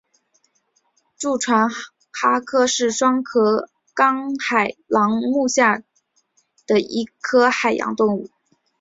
蛀船蛤科是双壳纲海螂目之下的一科海洋动物。